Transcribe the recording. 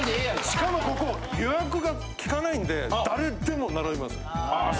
しかもここ予約がきかないんで誰でも並びます。